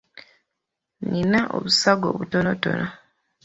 Nnina obusago obutonotono.